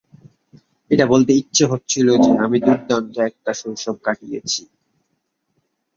এটা বলতে ইচ্ছা হচ্ছিল যে, আমি দুর্দান্ত একটা শৈশব কাটিয়েছি।